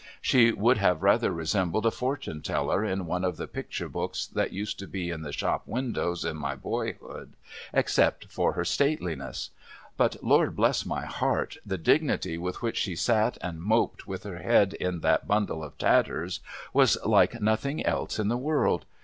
She would have rather resembled a fortune teller in one of the picture books that used to be in the shop windows in my boyhood, except for her stateliness. But, Lord bless my heart, the dignity with which she sat and moped, with her head in that bundle of tatters, was like nothing else in the world